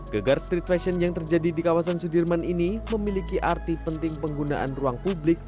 gegar street fashion yang terjadi di kawasan sudirman ini memiliki arti penting penggunaan ruang publik